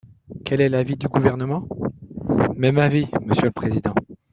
Quel est l’avis du Gouvernement ? Même avis, monsieur le président.